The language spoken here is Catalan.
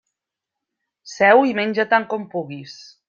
Seu i menja tant com puguis.